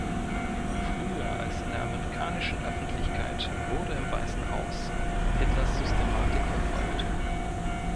Früher als in der amerikanischen Öffentlichkeit wurde im Weißen Haus Hitlers Systematik verfolgt.